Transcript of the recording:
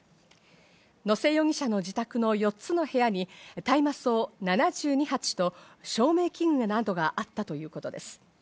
野瀬容疑者の自宅の４つの部屋に大麻草７２鉢と照明器具などがあったということです。